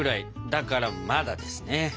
だからまだですね。